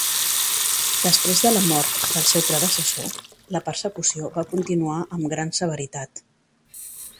Després de la mort del seu predecessor, la persecució va continuar amb gran severitat.